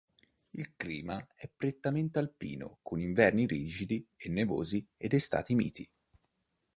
Il clima è prettamente alpino con inverni rigidi e nevosi ed estati miti.